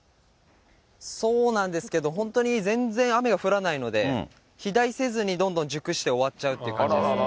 そうなんですけど、本当に全然雨が降らないので、肥大せずにどんどん熟して終わっちゃうって感じですね。